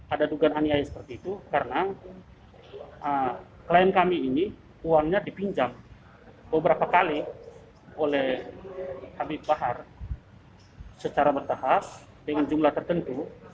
ada dugaan aniaya seperti itu karena klien kami ini uangnya dipinjam beberapa kali oleh habib bahar secara bertahap dengan jumlah tertentu